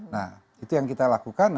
nah itu yang kita lakukan